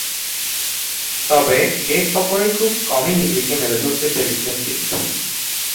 তবে, এ সফরে খুব কমই নিজেকে মেলে ধরতে পেরেছিলেন তিনি।